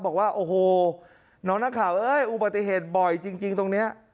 บอกว่าโอ้โหน้องนักข่าวเอ้ยอุบัติเหตุบ่อยจริงตรงนี้